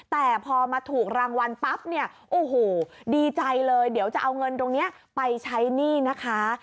แต่พอมาถูกรางวัลปั๊บเนี่ยโอ้โหดีใจเลยเดี๋ยวจะเอาเงินตรงนี้ไปใช้หนี้นะคะ